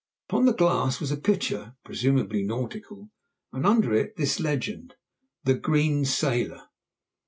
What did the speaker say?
Upon the glass was a picture, presumably nautical, and under it this legend, "The Green Sailor."